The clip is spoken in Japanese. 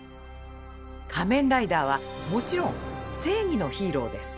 仮面ライダーはもちろん正義のヒーローです。